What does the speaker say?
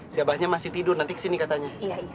si abahnya masih tidur nanti kesini katanya